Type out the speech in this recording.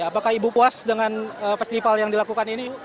apakah ibu puas dengan festival yang dilakukan ini